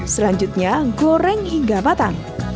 selanjutnya goreng hingga matang